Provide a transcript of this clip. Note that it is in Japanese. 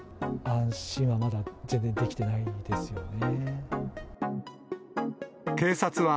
安心はまだ全然できてないですね。